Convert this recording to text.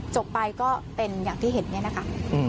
จบไปก็เป็นอย่างที่เห็นเนี่ยนะคะ